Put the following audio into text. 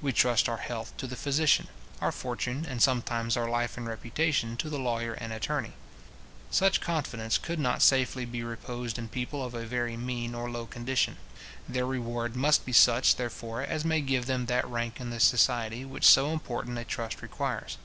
We trust our health to the physician, our fortune, and sometimes our life and reputation, to the lawyer and attorney. Such confidence could not safely be reposed in people of a very mean or low condition. Their reward must be such, therefore, as may give them that rank in the society which so important a trust requires.